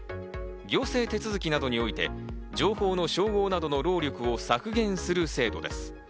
行政手続きなどにおいて、情報の照合などの労力を削減する制度です。